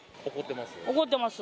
怒ってます？